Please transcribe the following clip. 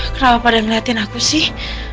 kenapa pada ngeliatin aku sih